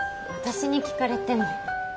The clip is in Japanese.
私に聞かれても。